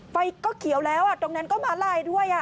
ไฟก็เขียวแล้วตรงนั้นก็ม้าลายด้วย